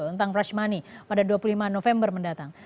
tentang rush money pada dua puluh lima november mendatang